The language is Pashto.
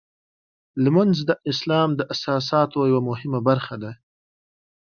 لمونځ د اسلام د اساساتو یوه مهمه برخه ده.